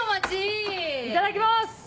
いただきます！